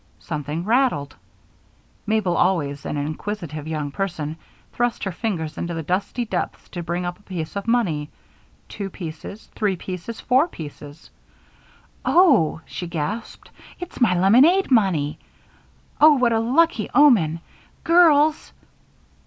Something rattled. Mabel, always an inquisitive young person, thrust her fingers into the dusty depths to bring up a piece of money two pieces three pieces four pieces. "Oh," she gasped, "it's my lemonade money! Oh, what a lucky omen! Girls!"